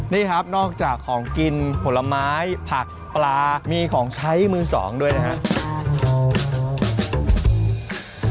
นี่ครับนอกจากของกินผลไม้ผักปลามีของใช้มือสองด้วยนะครับ